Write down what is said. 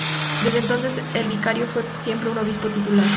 Desde entonces el vicario fue siempre un obispo titular.